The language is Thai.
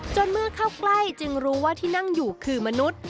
เมื่อเข้าใกล้จึงรู้ว่าที่นั่งอยู่คือมนุษย์